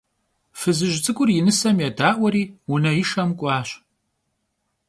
Fızıj ts'ık'ur yi nısem yêda'ueri vuneişşem k'uaş.